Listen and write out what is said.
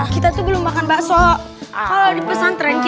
kita dulu dong